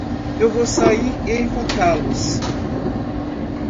Eu vou sair e encontrá-los!